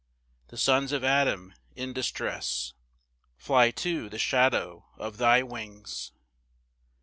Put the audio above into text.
The sons of Adam in distress Fly to the shadow of thy wings.